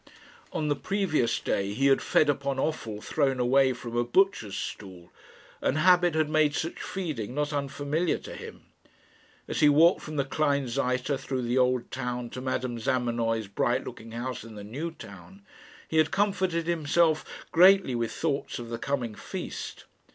On the previous day he had fed upon offal thrown away from a butcher's stall, and habit had made such feeding not unfamiliar to him. As he walked from the Kleinseite through the Old Town to Madame Zamenoy's bright looking house in the New Town, he had comforted himself greatly with thoughts of the coming feast.